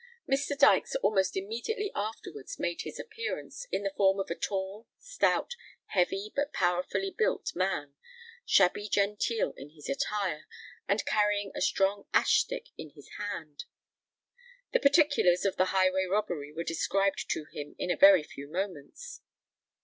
Mr. Dykes almost immediately afterwards made his appearance in the form of a tall, stout, heavy, but powerfully built man, shabby genteel in his attire, and carrying a strong ash stick in his hand. The particulars of the highway robbery were described to him in a very few moments.